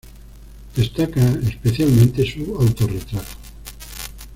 Destaca especialmente su autorretrato.